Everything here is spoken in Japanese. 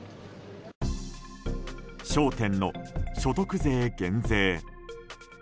焦点の所得税減税。